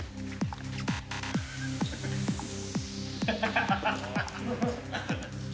ハハハハ！